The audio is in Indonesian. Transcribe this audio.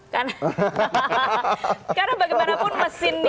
karena bagaimanapun mesinnya